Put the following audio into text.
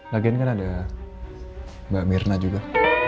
lagian kan ada mbak mirna juga